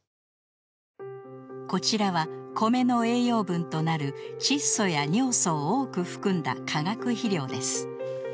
こちらはコメの栄養分となる窒素や尿素を多く含んだ化学肥料です。